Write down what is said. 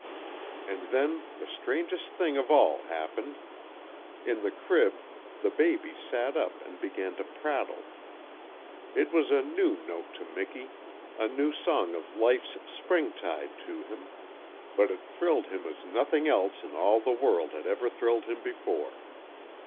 And then the strangest thing of all happened. In the crib the baby sat up and began to prattle. It was a new note to Miki, a new song of Life's spring tide to him, but it thrilled him as nothing else in all the world had ever thrilled him before.